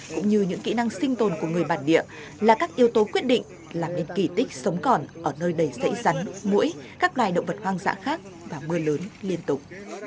cũng như những kỹ năng sinh tồn của người bản địa là các yếu tố quyết định làm nên kỳ tích sống còn ở nơi đầy dãy rắn mũi các loài động vật hoang dã khác và mưa lớn liên tục